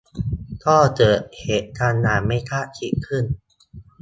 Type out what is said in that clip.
ก็เกิดเหตุการณ์อย่างไม่คาดคิดขึ้น